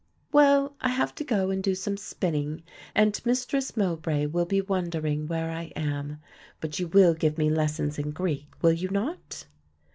"Well, I have to go and do some spinning and Mistress Mowbray will be wondering where I am; but you will give me lessons in Greek, will you not?"